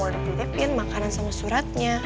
udah dititipin makanan sama suratnya